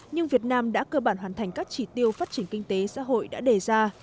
nhưng việt nam đã cơ bản hoàn thành các chỉ tiêu phát triển kinh tế xã hội đã đề ra